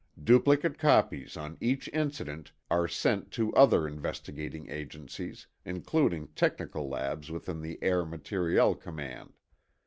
Duplicate copies on each incident arc sent to other investigating agencies, including technical labs within the Air Materiel Command.